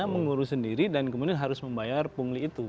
mengurus sendiri dan kemudian harus membayar pungli itu